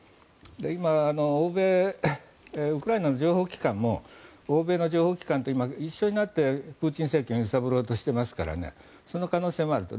今、ウクライナの情報機関も欧米の情報機関と一緒になってプーチン政権を揺さぶろうとしていますからその可能性もあると。